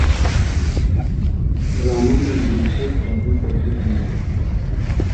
Ramanê ji Mûşê dixwaze kurdî hîn bibe.